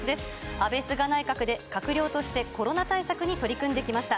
安倍・菅内閣で閣僚としてコロナ対策に取り組んできました。